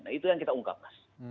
nah itu yang kita ungkap mas